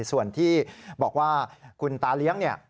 ส่วนที่บอกว่าคุณตาเลี้ยง